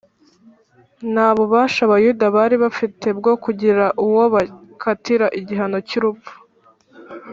Nta bubasha Abayuda bari bafite bwo kugira uwo bakatira igihano cy’urupfu